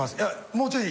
もうちょい。